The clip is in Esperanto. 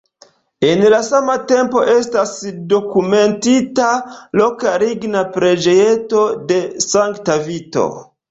En la sama tempo estas dokumentita loka ligna preĝejeto de sankta Vito.